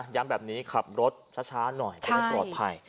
ย้ำแบบนี้ขับรถช้าหน่อยจะมีความปลอดภัย